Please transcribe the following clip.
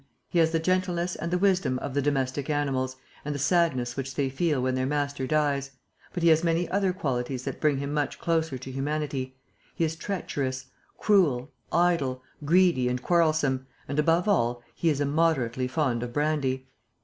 He has the gentleness and the wisdom of the domestic animals and the sadness which they feel when their master dies. But he has many other qualities that bring him much closer to humanity: he is treacherous, cruel, idle, greedy and quarrelsome; and, above all, he is immoderately fond of brandy.